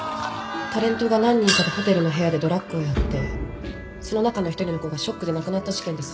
タレントが何人かでホテルの部屋でドラッグをやってその中の１人の子がショックで亡くなった事件ですよね。